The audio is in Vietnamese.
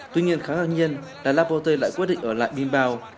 tuy nhiên khá hợp nhân là lapote lại quyết định ở lại bimbao